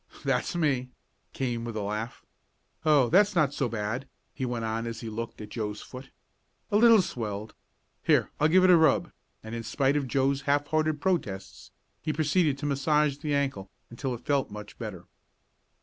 "That's me," came with a laugh. "Oh, that's not so bad," he went on as he looked at Joe's foot. "A little swelled. Here, I'll give it a rub," and in spite of Joe's half hearted protests he proceeded to massage the ankle until it felt much better.